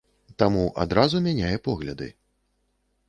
Таму адразу мяняе погляды.